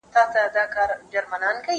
زه پرون لاس مينځلی و؟!